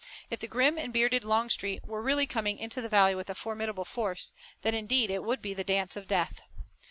If the grim and bearded Longstreet were really coming into the valley with a formidable force, then indeed it would be the dance of death.